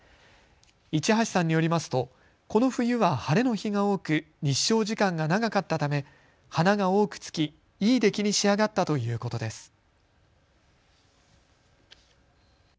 市橋さんによりますとこの冬は晴れの日が多く日照時間が長かったため花が多くつき、いいできに仕上がったということです。